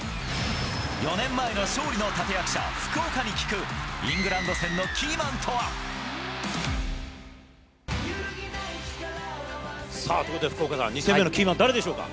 ４年前の勝利の立て役者、福岡に聞く、イングランド戦のキーマンさあ、ということで、福岡さん、２戦目のキーマン誰でしょうか。